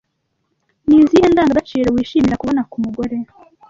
Ni izihe ndangagaciro wishimira kubona ku mugore